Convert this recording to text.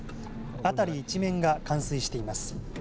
辺り一面が冠水しています。